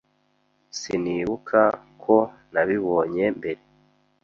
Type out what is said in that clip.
Sinibuka ko nabibonye mbere.